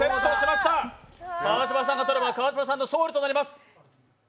川島さんがとれば川島さんの勝利となります。